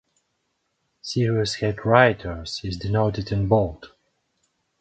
Series head writer is denoted in bold.